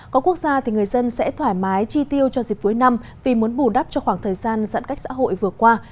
có quốc gia thì người dân sẽ thoải mái chi tiêu cho dịp cuối năm vì muốn bù đắp cho khoảng thời gian giãn cách xã hội vừa qua